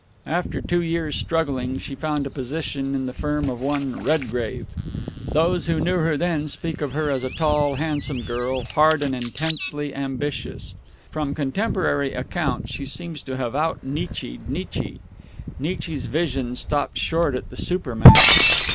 After two years' struggling, she found a position in the firm of one Redgrave. Those who knew her then speak of her as a tall, handsome girl, hard and intensely ambitious. From contemporary accounts she seems to have out Nietzsched Nietzsche. Nietzsche's vision stopped short at the superman.